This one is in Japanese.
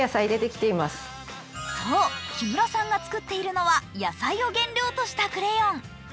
そう、木村さんが作っているのは野菜を原料としているクレヨン。